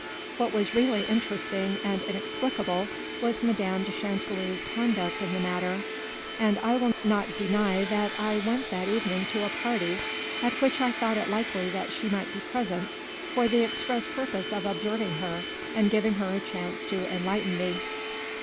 What was really interesting and inexplicable was Madame de Chanteloup's conduct in the matter, and I will not deny that I went that evening to a party at which I thought it likely that she might be present for the express purpose of observing her and giving her a chance to enlighten me.